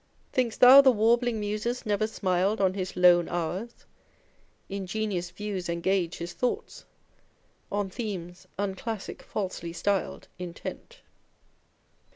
Think'st thou the warbling Muses never smiled On his lone hours ? Ingenious views engage His thoughts, on themes (unclassic falsely styled) Intent.